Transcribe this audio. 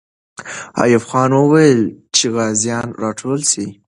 ایوب خان وویل چې غازیان راټول سي.